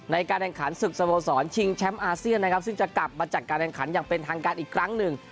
ในการแข่งขันศึกสโมสรชิงแชมป์อาเซียนนะครับซึ่งจะกลับมาจัดการแรงขันอย่างเป็นทางการอีกครั้งหนึ่ง